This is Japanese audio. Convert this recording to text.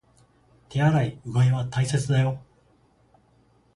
手洗い、うがいは大切だよ